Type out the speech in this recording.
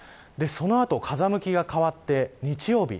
その後風向きが変わって日曜日